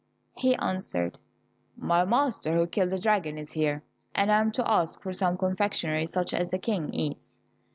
He answered, "My master, who killed the dragon, is here, and I am to ask for some confectionery, such as the King eats."